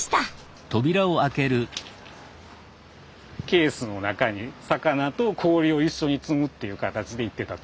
ケースの中に魚と氷を一緒に積むっていう形でいってた。